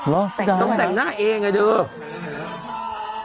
เหรอต้องแต่งหน้าเองน่ะเดี๋ยว